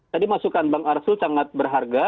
tadi masukan bang arsul sangat berharga